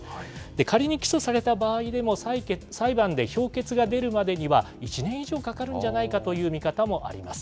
仮に起訴された場合でも、裁判で評決が出るまでには、１年以上かかるんじゃないかという見方もあります。